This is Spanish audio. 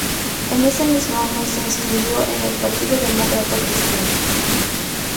Ese mismo año se inscribió en el Partido Demócrata Cristiano.